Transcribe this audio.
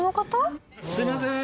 すいません。